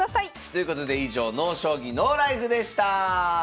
ということで以上「ＮＯ将棋ＮＯＬＩＦＥ」でした！